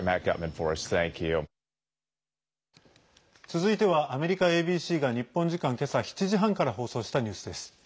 続いては、アメリカＡＢＣが日本時間けさ７時半から放送したニュースです。